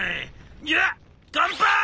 じゃあ乾杯！